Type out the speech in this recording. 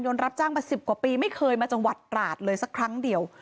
รับจ้างมา๑๐กว่าปีไม่เคยมาจังหวัดตราดเลยสักครั้งเดียว